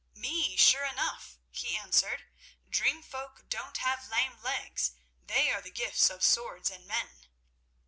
"Me sure enough," he answered. "Dream folk don't have lame legs; they are the gifts of swords and men."